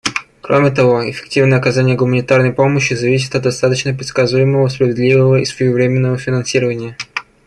Кроме того, эффективное оказание гуманитарной помощи зависит от достаточного, предсказуемого, справедливого и своевременного финансирования.